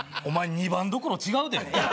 お前２番どころ違うで。